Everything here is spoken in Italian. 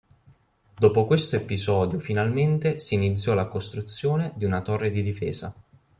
Dopo questo episodio finalmente si iniziò la costruzione di una Torre di difesa.